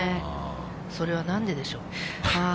それはなんででしょう。